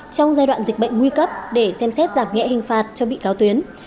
trong giai đoạn dịch bệnh nguy cấp để xem xét giảm nhẹ hình phạt cho bị cáo tuyến